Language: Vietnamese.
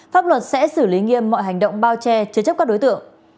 pháp luật sẽ xử lý nghiêm mọi hành động bao che chứa chấp các đối tượng